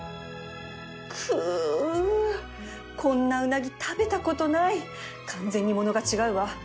くっこんなウナギ食べたことない完全に物が違うわ